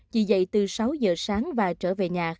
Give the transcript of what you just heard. chị dậy từ sáu giờ sáng và trở về nhà